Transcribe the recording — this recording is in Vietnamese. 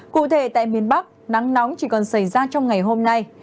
cụ thể tại miền bắc nắng nóng chỉ còn xảy ra trong ngày hôm nay